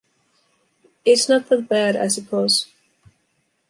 It’s not that bad, I suppose.